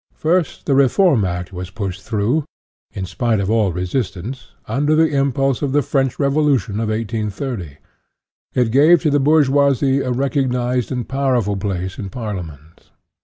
First, the Reform Act was pushed through, in spite of all resistance, under the impulse of the French Revo lution of 1830. It gave to the bourgeoisie a recognized and powerful place in Parliament.